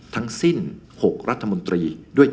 ทั้งสิ้น๖รัฐมนตรี